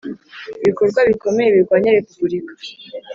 ibikorwa bikomeye birwanya Repubulika